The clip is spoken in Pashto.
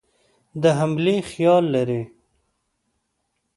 د حملې خیال لري.